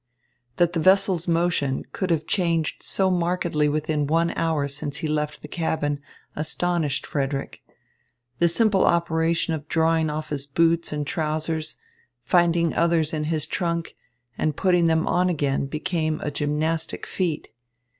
That the vessel's motion could have changed so markedly within the one hour since he left the cabin, astonished Frederick. The simple operation of drawing off his boots and trousers, finding others in his trunk, and putting them on again became a gymnastic feat.